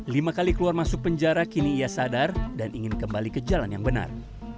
lima kali keluar masuk penjara kini ia sadar dan ingin kembali ke jalan yang benar